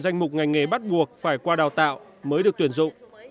danh mục ngành nghề bắt buộc phải qua đào tạo mới được tuyển dụng